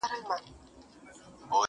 هغه کيسې د چڼچڼيو د وژلو کړلې!!